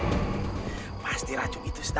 di depan kami semua memiliki tuhan resmi